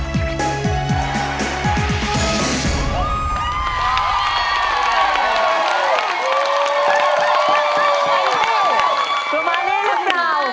ประมาณนี้ให้บราว